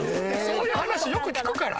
そういう話よく聞くから。